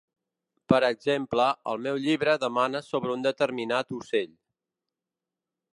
Per exemple, el meu llibre demana sobre un determinat ocell.